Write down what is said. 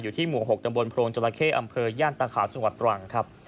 ที่หมู่๖ตำบลโพรงจราเข้อำเภอย่านตาขาวจังหวัดตรังครับ